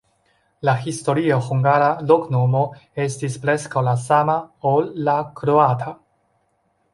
La historia hungara loknomo estis preskaŭ la sama, ol la kroata.